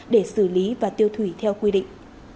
để xử lý và tiêu thủy theo quy định